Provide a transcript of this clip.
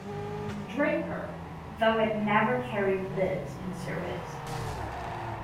Draper, though it never carried this in service.